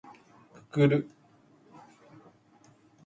くくる